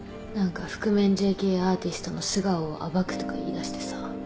何か覆面ＪＫアーティストの素顔を暴くとか言いだしてさ。